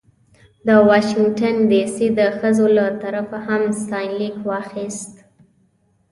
د واشنګټن ډې سي د ښځو له طرفه هم ستاینلیک واخیست.